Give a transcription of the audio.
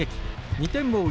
２点を追う